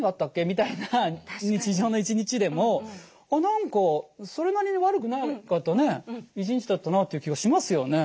みたいな日常の一日でも「あっ何かそれなりに悪くなかったね一日だったな」っていう気がしますよね。